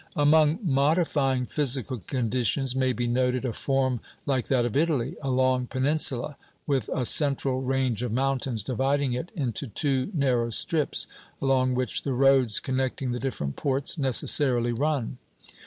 Among modifying physical conditions may be noted a form like that of Italy, a long peninsula, with a central range of mountains dividing it into two narrow strips, along which the roads connecting the different ports necessarily run.